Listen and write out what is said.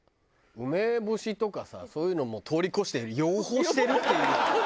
梅干しとかさそういうのもう通り越して養蜂してるっていう。